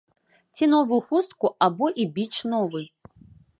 Ці новую хустку, або і біч новы!